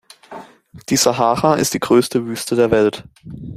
Die Sahara ist die größte Wüste der Welt.